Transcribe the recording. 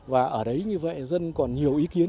và ở đấy như vậy dân còn nhiều ý kiến